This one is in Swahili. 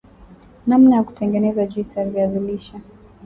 namna ya kutengeneza juice ya viazi lishe